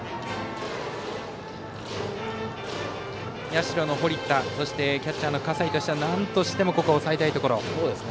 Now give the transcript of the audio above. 社の堀田、そしてキャッチャーの笠井としてはなんとしてもここは抑えたいところ。